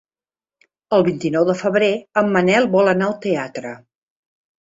El vint-i-nou de febrer en Manel vol anar al teatre.